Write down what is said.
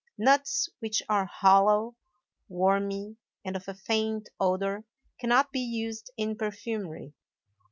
Nuts which are hollow, wormy, and of a faint odor cannot be used in perfumery.